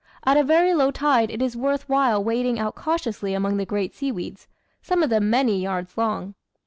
At a very low tide it is worth while wading out cautiously among the great seaweeds, some of them many yards long.